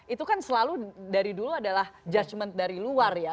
itu kan selalu dari dulu adalah judgement dari luar ya